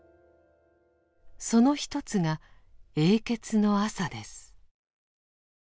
その一つが「永訣の朝」です。